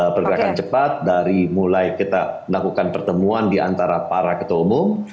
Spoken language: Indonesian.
pergerakan cepat dari mulai kita melakukan pertemuan di antara para ketua umum